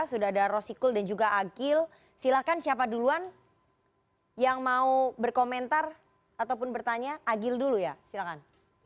sudah ada rosikul dan juga agil silahkan siapa duluan yang mau berkomentar ataupun bertanya agil dulu ya silahkan